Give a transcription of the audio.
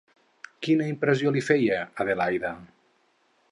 Quina impressió li feia Adelaida?